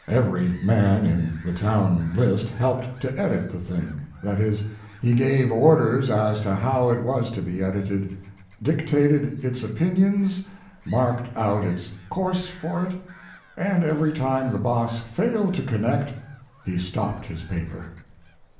Every man in the town list helped to edit the thing; that is, he gave orders as to how it was to be edited; dictated its opinions, marked His Life and Work. out its course for it, and every time the boss failed to connect, he stopped his paper.